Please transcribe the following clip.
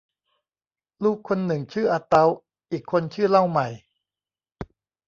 ลูกคนหนึ่งชื่ออาเต๊า อีกคนชื่อเล่าใหม่